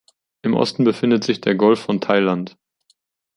Im Osten befindet sich der Golf von Thailand.